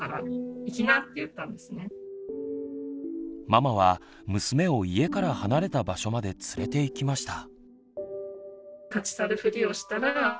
ママは娘を家から離れた場所まで連れていきました。